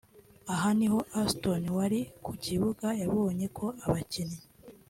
Aha niho Aston wari ku kibuga yabonye ko abakinnyi